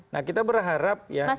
nah kita berharap